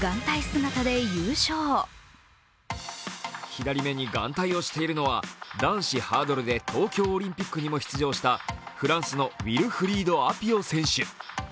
左目に眼帯をしているのは男子ハードルで東京オリンピックにも出場したフランスのウィルフリード・アピオ選手。